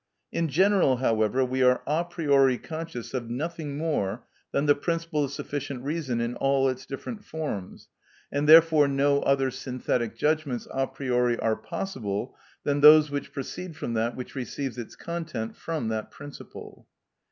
In general, however, we are a priori conscious of nothing more than the principle of sufficient reason in its different forms, and therefore no other synthetic judgments a priori are possible than those which proceed from that which receives its content from that principle.